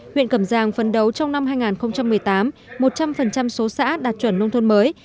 huyện cẩm giang phấn đấu trong năm hai nghìn một mươi tám một trăm linh số xã đạt chuẩn nông thôn mới